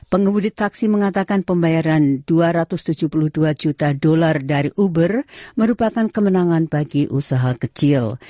pengemudi taksi mengatakan pembayaran dua ratus tujuh puluh dua juta dolar dari uber merupakan kemenangan bagi usaha kecil